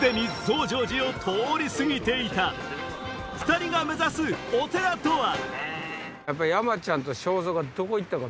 ２人が目指すお寺とは？